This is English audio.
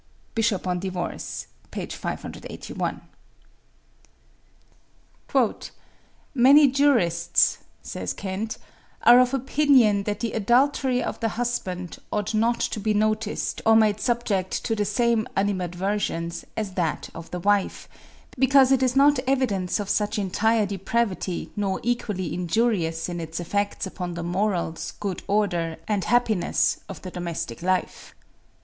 ('Bishop on Divorce,' p. 581.) "'Many jurists,' says Kent, 'are of opinion that the adultery of the husband ought not to be noticed or made subject to the same animadversions as that of the wife, because it is not evidence of such entire depravity nor equally injurious in its effects upon the morals, good order, and happiness of the domestic life.